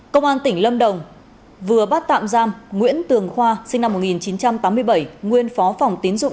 công an tỉnh lâm đồng vừa bắt tạm giam nguyễn tường khoa sinh năm một nghìn chín trăm tám mươi bảy nguyên phó phòng tín dụng